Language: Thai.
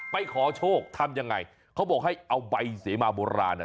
ไปขอโชคทำยังไงเขาบอกให้เอาใบเสมาโบราณ